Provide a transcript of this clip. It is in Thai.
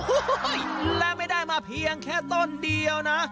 โอ้โหและไม่ได้มาเพียงแค่ต้นเดียวนะ